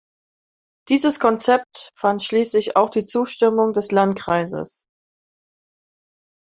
Dieses Konzept fand schließlich auch die Zustimmung des Landkreises.